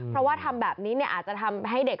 เพราะว่าทำแบบนี้อาจจะทำให้เด็ก